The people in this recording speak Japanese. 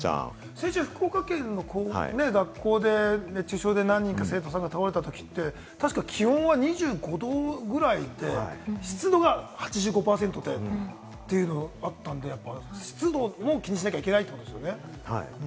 先週、福岡県の学校で熱中症で何か生徒さんが倒れたときって確か気温は２５度ぐらいで湿度が８５％というのがあったので、湿度も気にしなきゃいけないんですね。